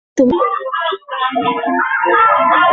ইতোমধ্যে যদি অনুকূল কিছু ঘটে, লিখিব বা তার করিব।